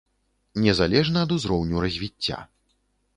Незалежна ад узроўню развіцця.